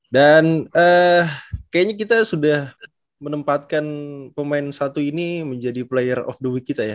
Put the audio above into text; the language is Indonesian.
dan kayaknya kita sudah menempatkan pemain satu ini menjadi player of the week kita ya